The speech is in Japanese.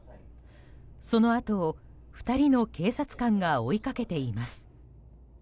そのあとを２人の警察官が追いかけています。